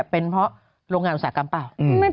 เป็นเพราะโรงงานอุตสาหกรรมเปล่า